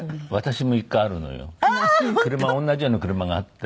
車同じような車があって。